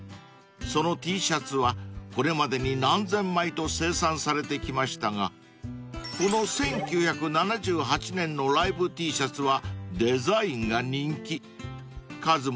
［そのＴシャツはこれまでに何千枚と生産されてきましたがこの１９７８年のライブＴシャツは］